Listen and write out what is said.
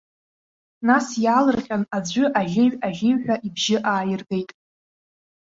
Нас иаалырҟьан, аӡәы аӷьеҩ-аӷьеҩҳәа ибжьы ааиргеит.